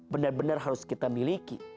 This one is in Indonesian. benar benar harus kita miliki